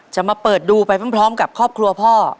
มาเปิดดูไปพร้อมกับครอบครัวพ่อ